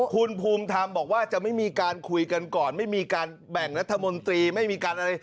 คุณภูมิธรรมบอกว่าจะไม่มีการคุยกันก่อนไม่มีการแบ่งรัฐมนตรีไม่มีการอะไร